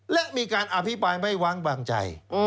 และมีการอภิปรายไม่ว้างบางใจ